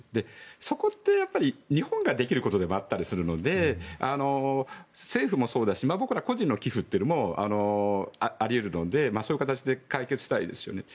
そこって、やっぱり日本ができることでもあるので政府もそうだし僕ら個人の寄付もあり得るので、そういう形で解決したいですよね。